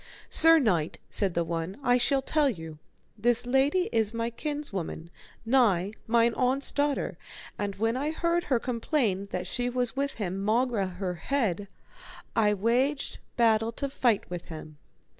Sir knight, said the one, I shall tell you, this lady is my kinswoman nigh, mine aunt's daughter, and when I heard her complain that she was with him maugre her head, I waged battle to fight with him.